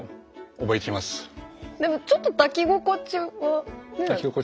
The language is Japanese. でもちょっと抱き心地はねえ？